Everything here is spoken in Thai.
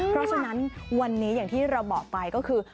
เพราะฉะนั้นวันนี้อย่างที่เราบอกไปก็คือ